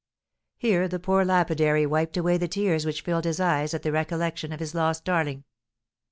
Here the poor lapidary wiped away the tears which filled his eyes at the recollection of his lost darling.